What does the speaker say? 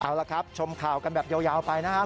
เอาละครับชมข่าวกันแบบยาวไปนะครับ